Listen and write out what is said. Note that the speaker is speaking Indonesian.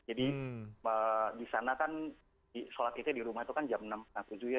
jadi di sana kan sholat idhiyah di rumah itu kan jam enam tujuh ya